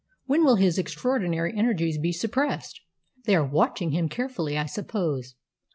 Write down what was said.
"When will his extraordinary energies be suppressed? They are watching him carefully, I suppose."